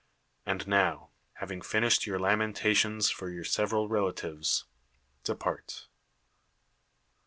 And now, hav ing finished your lamentations for your several relatives, depart.